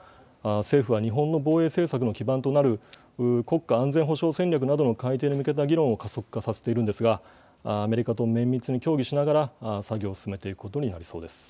政府は日本の防衛政策の基盤となる国家安全保障戦略などの改定に向けた議論を加速化しているんですが、アメリカと綿密に協議しながら、作業を進めていくことになりそうです。